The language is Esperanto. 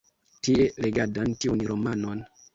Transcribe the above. Tie legadan tiun romanon.